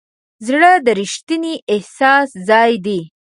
زړه د ریښتیني احساس ځای دی.